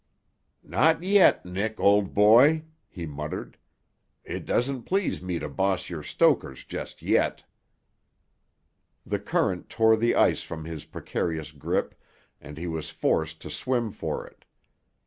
"Not yet, Nick, old boy," he muttered. "It doesn't please me to boss your stokers just yet." The current tore the ice from his precarious grip and he was forced to swim for it.